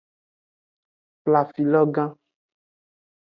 Flafilo gan.